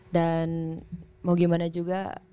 dan mau gimana juga